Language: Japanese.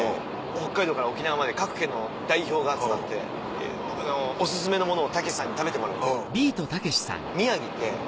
北海道から沖縄まで各県の代表が集まってお薦めのものをたけしさんに食べてもらう。